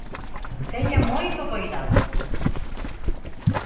¡Teña moito coidado!